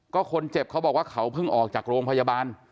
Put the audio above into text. ก็คนเจ็บเขาบอกว่าเขาเพิ่งออกจากโรงพยาบาล